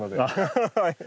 ハハハハ！